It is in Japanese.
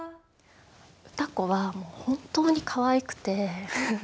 歌子はもう本当にかわいくて。